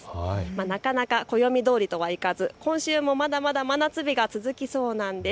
なかなか暦どおりとはいかず今週もまだまだ真夏日が続きそうなんです。